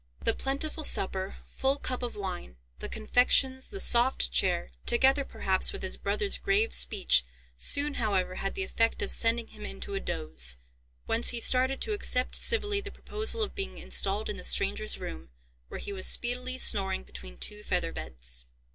The plentiful supper, full cup of wine, the confections, the soft chair, together perhaps with his brother's grave speech, soon, however, had the effect of sending him into a doze, whence he started to accept civilly the proposal of being installed in the stranger's room, where he was speedily snoring between two feather beds.